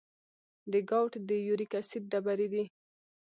د ګاؤټ د یوریک اسید ډبرې دي.